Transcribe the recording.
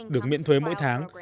được miễn thuế mỗi tháng